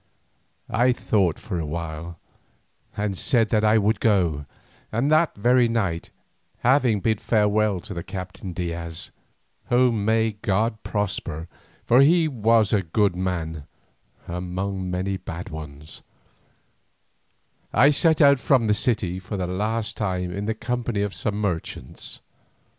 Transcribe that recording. I thought for a while and said that I would go, and that very night, having bid farewell to the Captain Diaz, whom may God prosper, for he was a good man among many bad ones, I set out from the city for the last time in the company of some merchants.